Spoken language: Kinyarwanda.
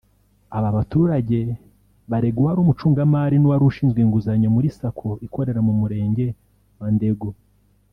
Aba baturage barega uwari umucungamari n’uwari ushinzwe inguzanyo muri iyi Sacco ikorera mu Murenge wa Ndego